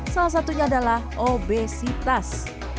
salah satunya adalah obesitas